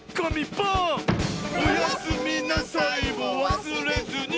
「おやすみなさいもわすれずに」